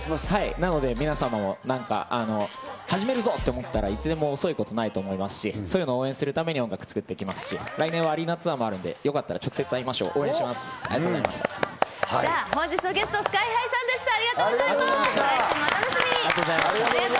なので、皆様も何か始めるぞと思ったらいつでも遅いことはないですし、それを応援するために音楽も作っていきますし、来年はアリーナツアーもあるので、よかったらお会いしましょう！